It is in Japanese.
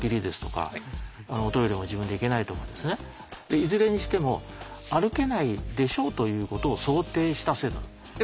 いずれにしても歩けないでしょうということを想定した制度なんです。